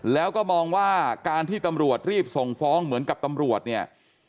แล้วก็มองว่าการที่ตำรวจรีบส่งฟ้องเหมือนกับตำรวจเนี่ย